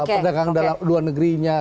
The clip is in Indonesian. pendekang luar negerinya